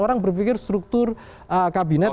orang berpikir struktur kabinet